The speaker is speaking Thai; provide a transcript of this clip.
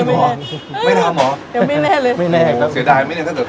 ก็ยังไงแน่เลย